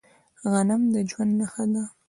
غنم د ژوند نښه ده.